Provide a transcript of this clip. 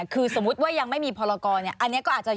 คือสมมติว่ายังไม่มีพอลโลกอล